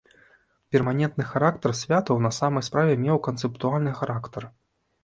Перманентны характар святаў на самай справе меў канцэптуальны характар.